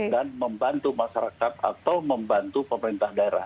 membantu masyarakat atau membantu pemerintah daerah